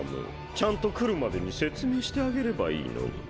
ちゃんと来るまでに説明してあげればいいのに。